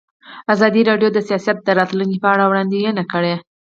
ازادي راډیو د سیاست د راتلونکې په اړه وړاندوینې کړې.